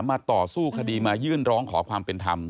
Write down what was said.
ต่อสู้คดีมายื่นร้องขอความเป็นธรรม